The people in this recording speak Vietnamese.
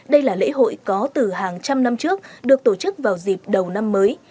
đây là lễ hội có từ hàng trăm năm trước được tổ chức vào dịp đầu năm mới